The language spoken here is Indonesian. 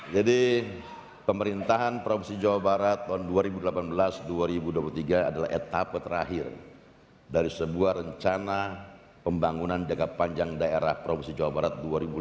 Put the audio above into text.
jadi pemerintahan provinsi jawa barat tahun dua ribu delapan belas dua ribu dua puluh tiga adalah etapa terakhir dari sebuah rencana pembangunan jaga panjang daerah provinsi jawa barat dua ribu lima dua ribu dua puluh lima